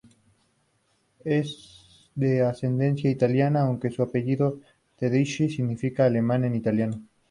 Es de ascendencia italiana, aunque su apellido, "Tedeschi", significa "alemanes" en italiano.